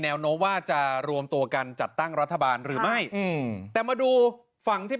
โน้มว่าจะรวมตัวกันจัดตั้งรัฐบาลหรือไม่อืมแต่มาดูฝั่งที่